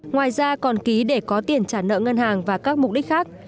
ngoài ra còn ký để có tiền trả nợ ngân hàng và các mục đích khác